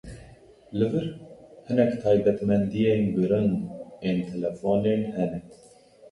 Li vir hinek taybetmendîyên girîng ên telefonên hene.